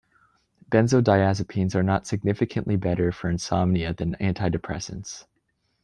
Benzodiazepines are not significantly better for insomnia than antidepressants.